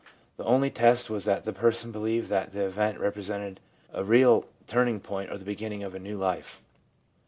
The only test was that the person believed that the event represented a real turning point or the beginning of a new life.